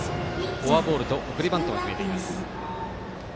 フォアボールと送りバントも決めています。